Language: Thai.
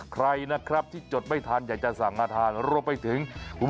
ใครที่จดไม่ทันอยากจะสั่งทางลงไปถึง